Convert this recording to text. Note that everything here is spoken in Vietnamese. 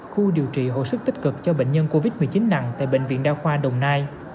khu điều trị hồi sức tích cực cho bệnh nhân covid một mươi chín nặng tại bệnh viện đa khoa đồng nai